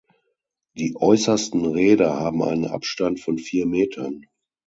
Die äußersten Räder haben einen Abstand von vier Metern.